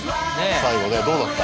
最後ねどうなった？